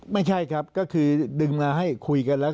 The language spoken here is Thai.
ไม่ใช่ครับก็คือดึงมาให้คุยกันแล้ว